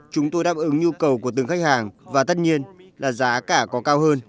chúng tôi đáp ứng nhu cầu của từng khách hàng và tất nhiên là giá cả có cao hơn